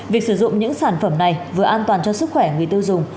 việc sử dụng những sản phẩm này vừa an toàn cho sức khỏe người tiêu dùng